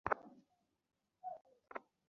তোমার কি মনে হয়, আমরা কালকে বাড়ি পৌঁছাতে পারব?